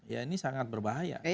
ya ini sangat berbahaya